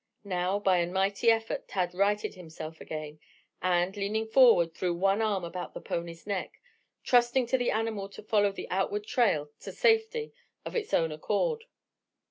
Now, by a mighty effort Tad righted himself again, and, leaning forward, threw one arm about the pony's neck, trusting to the animal to follow the outward trail to safety of its own accord.